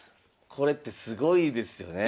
これってすごいですよね。